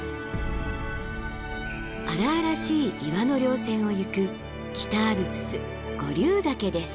荒々しい岩の稜線をゆく北アルプス五竜岳です。